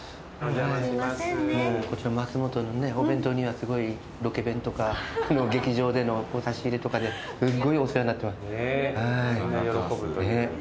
升本のお弁当にはロケ弁とか劇場での差し入れとかですごいお世話になってます。